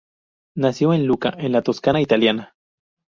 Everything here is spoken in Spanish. Nació en Lucca, en la Toscana italiana.